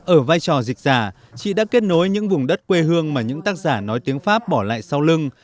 ở vai trò dịch giả chị đã kết nối những vùng đất quê hương mà những tác giả nói tiếng pháp bỏ lại sau lưng